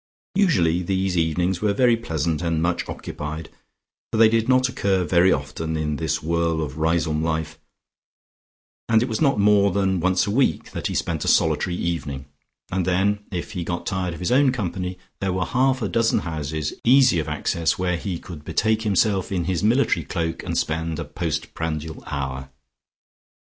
Usually these evenings were very pleasant and much occupied, for they did not occur very often in this whirl of Riseholme life, and it was not more than once a week that he spent a solitary evening, and then, if he got tired of his own company, there were half a dozen houses, easy of access where he could betake himself in his military cloak, and spend a post prandial hour.